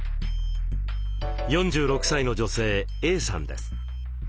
４６歳の女性Ａさんです。